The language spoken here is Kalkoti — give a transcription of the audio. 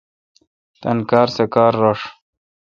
تان کار سہ کار رݭ۔